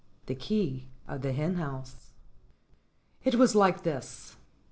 XV THE KEY OF THE HEN HOUSE IT was like this.